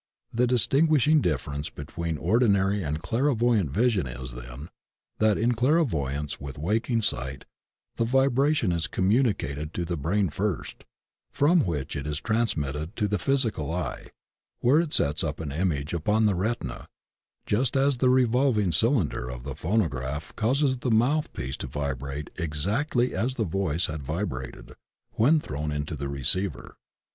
The distinguish ing difference between ordinary and clairvoyant vis ion is, then, that in clairvoyance with waking sight the vibration is communicated to the brain first, from which it is transmitted to the physical eye, where it sets up an image upon the retina, just as die revolving cylinder of the phonograph causes the mouthpiece to vibrate exactly as the voice had vibrated when thrown into the receiver.